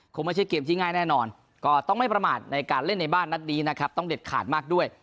คงไม่ใช่เกมที่ง่ายแน่นอนก็ต้องไม่ประมาทในการเล่นในบ้านนัดนี้นะครับต้องเด็ดขาดมากด้วย